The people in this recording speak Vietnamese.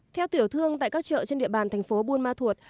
theo tiểu thương tại các chợ trên địa bàn thành phố buôn ma thuột